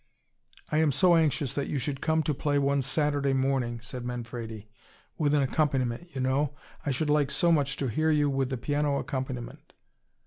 "I am so anxious that you should come to play one Saturday morning," said Manfredi. "With an accompaniment, you know. I should like so much to hear you with piano accompaniment."